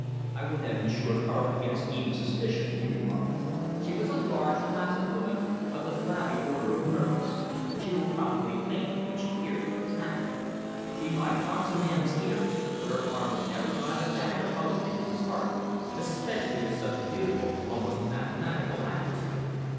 "I would have insured her against even suspicion," he remarked. "She was a large, placid woman, of the flabby order of nerves. She will probably faint when she hears what has happened. She might box a man's ears, but her arm would never drive a dagger home into his heart, especially with such beautiful, almost mathematical accuracy.